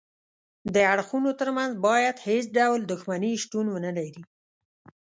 د اړخونو ترمنځ باید هیڅ ډول دښمني شتون ونلري